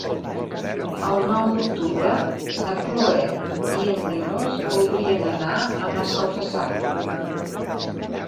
El nou d'octubre na Cloè i en Milos voldrien anar a Massalfassar.